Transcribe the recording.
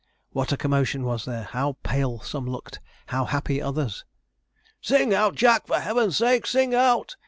What a commotion was there! How pale some looked! How happy others! 'Sing out, Jack! for heaven's sake, sing out!'